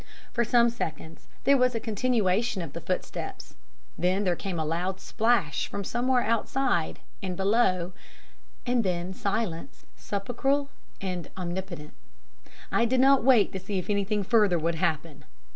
For some seconds there was a continuation of the footsteps, then there came a loud splash from somewhere outside and below and then silence sepulchral and omnipotent. I did not wait to see if anything further would happen.